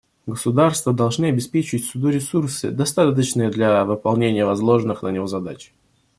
Государства должны обеспечить Суду ресурсы, достаточные для выполнения возложенных на него задач.